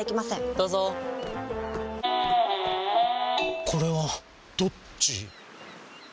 どうぞこれはどっち？